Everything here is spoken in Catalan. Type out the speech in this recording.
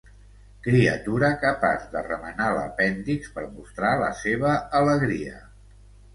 Criatura capaç de remenar l'apèndix per mostrar la seva alegria.